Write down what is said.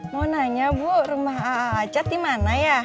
mau nanya bu rumah a'ah aja dimana ya